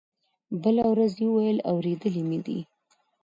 بله ورځ يې وويل اورېدلي مې دي.